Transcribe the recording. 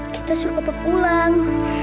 kita suruh ke pulang